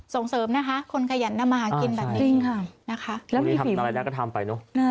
ส่งเสริมนะคะคนขยันมากินแบบนี้